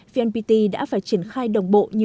vnpt đã phải triển khai đồng bộ